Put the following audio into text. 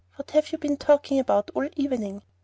What have you been talking about all the evening?"